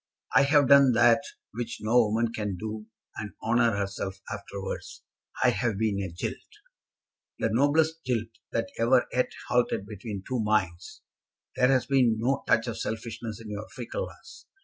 I have done that which no woman can do and honour herself afterwards. I have been a jilt." "The noblest jilt that ever yet halted between two minds! There has been no touch of selfishness in your fickleness.